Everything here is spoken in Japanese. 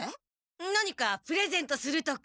何かプレゼントするとか？